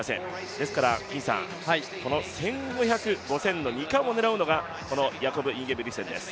ですから、この１５００、５０００の２冠を狙うのがヤコブ・インゲブリクセンです。